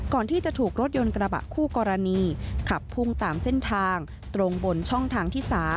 ก่อนที่จะถูกรถยนต์กระบะคู่กรณีขับพุ่งตามเส้นทางตรงบนช่องทางที่๓